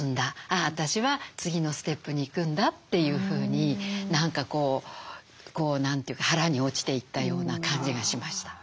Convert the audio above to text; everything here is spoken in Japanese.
あ私は次のステップに行くんだ」というふうに何かこう何て言うか腹に落ちていったような感じがしました。